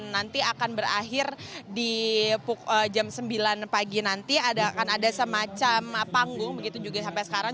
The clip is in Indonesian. nanti akan berakhir di jam sembilan pagi nanti akan ada semacam panggung begitu juga sampai sekarang